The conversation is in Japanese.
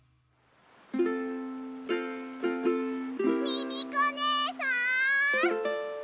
ミミコねえさん！